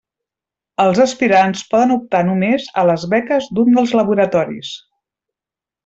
Els aspirants poden optar només a les beques d'un dels laboratoris.